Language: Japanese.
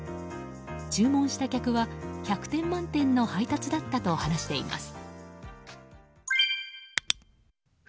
注文した客は、１００点満点の配達だったと話しています。